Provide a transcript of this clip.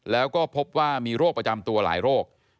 แล้วก็พบว่ามีโรคประจำตัวหลายโรค